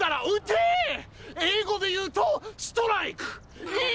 英語で言うとストライク！